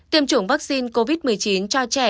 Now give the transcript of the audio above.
tiêm chủng vaccine covid một mươi chín cho trẻ